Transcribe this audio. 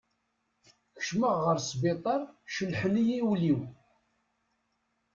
Kecmeɣ ɣer sbitaṛ celḥen-iyi ul-iw.